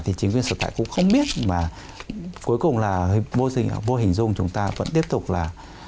thì chính quyền sở tại cũng không biết mà cuối cùng là vô hình dung chúng ta vẫn tiếp tục là